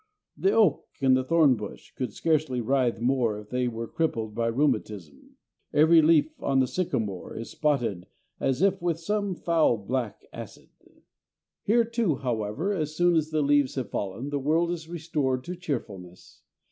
The oak and the thorn bush could scarcely writhe more if they were crippled by rheumatism. Every leaf on the sycamore is spotted as if with some foul black acid. Here, too, however, as soon as the leaves have fallen, the world is restored to cheerfulness.